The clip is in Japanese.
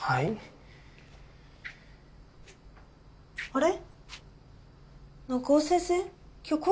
あれ？